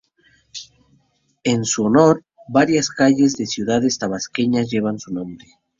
En su honor, varias calles de ciudades tabasqueñas llevan su nombre.